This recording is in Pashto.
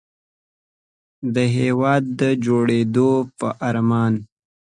د هېواد د جوړېدو په ارمان.